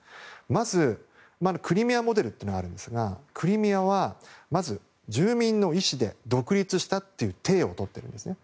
まず、クリミアモデルというのがあるんですがクリミアはまず住民の意思で独立したという体をとってるんですね。